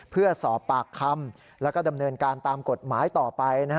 เพื่อสอบปากคำแล้วก็ดำเนินการตามกฎหมายต่อไป